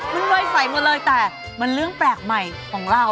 มันเลยใสหมดเลยแต่มันเรื่องแปลกใหม่ของเรา